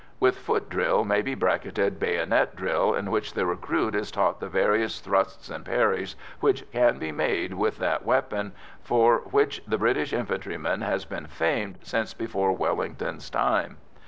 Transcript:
With foot drill may be bracketed bayonet drill, in which the recruit is taught the various thrusts and parries which can be made with that weapon for which the British infantryman has been famed since before Wellington's time.